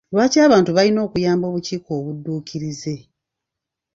Lwaki abantu balina okuyamba obukiiko obudduukirize?